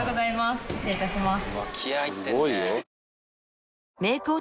失礼いたします。